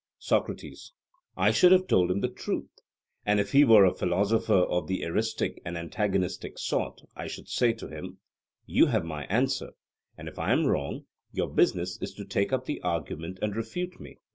SOCRATES: I should have told him the truth. And if he were a philosopher of the eristic and antagonistic sort, I should say to him: You have my answer, and if I am wrong, your business is to take up the argument and refute me.